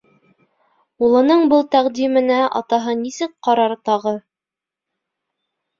Улының был тәҡдименә атаһы нисек ҡарар тағы?